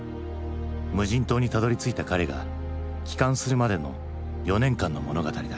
無人島にたどりついた彼が帰還するまでの４年間の物語だ。